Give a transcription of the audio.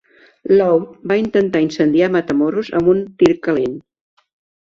Lowd va intentar incendiar Matamoros amb un "tir calent".